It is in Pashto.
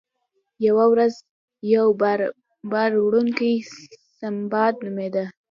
یوه ورځ یو بار وړونکی سنباد نومیده.